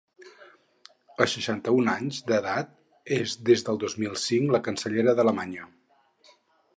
A seixanta-un anys d’edat, és des del dos mil cinc la cancellera d’Alemanya.